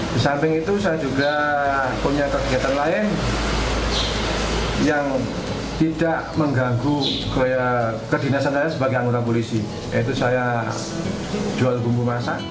di samping itu saya juga punya kegiatan lain yang tidak mengganggu kedinasan saya sebagai anggota polisi yaitu saya jual bumbu masak